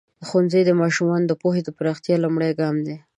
ښوونځی د ماشومانو د پوهې د پراختیا لومړنی ګام دی.